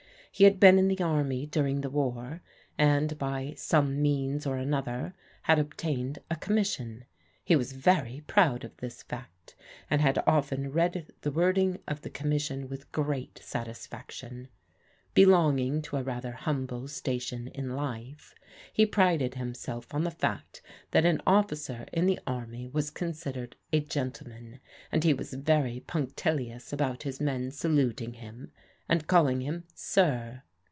He had been in the army during the war, and by some means or another had obtained a commission. He was very proud of this fact, and had often read the wording PEG'S CARRYING ON 31 of the Commission with great satisfaction. Belonging to a rather humble station in life, he prided himself on the fact that an oflScer in the army was considered a gentle man, and he was very punctilious about his men salut ing him, and calling him " sir."